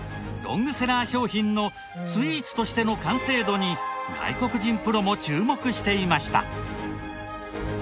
ロングセラー商品のスイーツとしての完成度に外国人プロも注目していました。